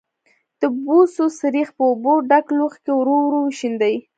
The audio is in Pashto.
د بوسو سريښ په اوبو ډک لوښي کې ورو ورو وشیندئ.